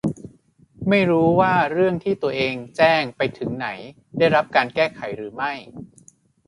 ไม่รู้ว่าเรื่องที่ตัวเองแจ้งไปถึงไหน ได้รับการแก้ไขหรือไม่